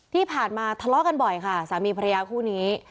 ที่ผ่านมาทะเลาะกันบ่อยค่ะสามีภรรยาคู่นี้